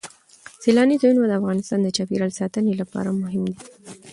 سیلانی ځایونه د افغانستان د چاپیریال ساتنې لپاره مهم دي.